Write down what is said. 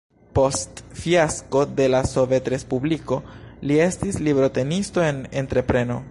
Post fiasko de la Sovetrespubliko li estis librotenisto en entrepreno.